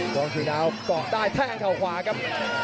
มองเชียงดาวปลอดได้แท่งเข้าขวาครับ